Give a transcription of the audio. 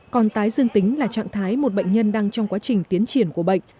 còn tái dương tính là trạng thái một bệnh nhân đang trong quá trình tiến triển của bệnh